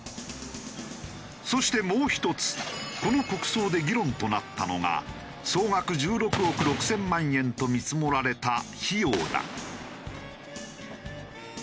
そしてもう１つこの国葬で議論となったのが総額１６億６０００万円と見積もられた費用だ。